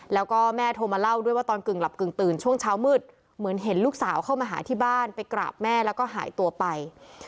แล้วก็แม่โทรมาเล่าด้วยว่าตอนกึ่งหลับกึ่งตื่นช่วงเช้ามืดเหมือนเห็นลูกสาวเข้ามาหาที่บ้านไปกราบแม่แล้วก็หายตัวไป